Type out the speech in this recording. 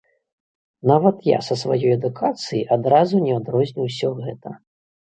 Нават я са сваёй адукацыяй адразу не адрозню ўсё гэта.